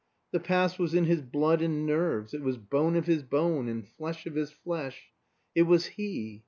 The past was in his blood and nerves; it was bone of his bone and flesh of his flesh. It was he.